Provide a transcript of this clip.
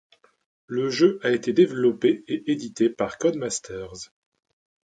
Le jeu a été développé et édité par Codemasters.